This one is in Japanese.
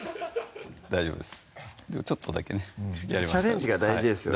大丈夫ですちょっとだけねやりましたのでチャレンジが大事ですよね